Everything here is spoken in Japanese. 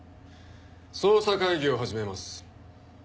捜査会議を始めます。